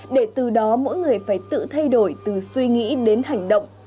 để từ đó mỗi người phải tự thay đổi từ suy nghĩ đến hành động